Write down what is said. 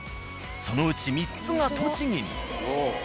そのうち３つが栃木に。